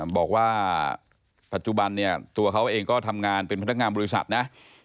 บอกว่าปัจจุบันเนี่ยตัวเขาเองก็ทำงานเป็นพนักงานบริษัทนะ